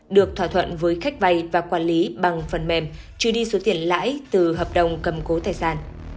được thỏa thuận với khách vay và quản lý bằng phần mềm trừ đi số tiền lãi từ hợp đồng cầm cố tài sản